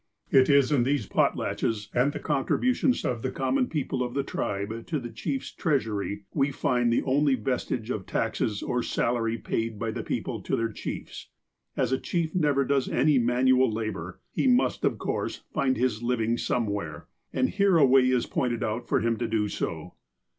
It is in these potlatches, and the contributions of the common people of the tribe to the chief 's treasury, we find the only vestige of taxes or salary jDaid by the people to their chiefs. As a chief never does any manual labour, he must of course find his living somewhere, and here a way is pointed out for him so to do.